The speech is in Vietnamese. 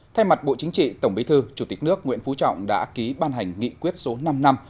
thay mặt bộ chính trị tổng bí thư chủ tịch nước nguyễn phú trọng đã ký ban hành nghị quyết số năm năm